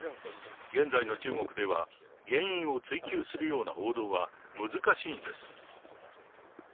現在の中国では原因を追及するような報道は難しいんです。